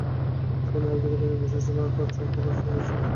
সে নদীর দিকে তাকিয়ে বসে ছিল, আর তার চোখ থেকে অশ্রু ঝরছিল।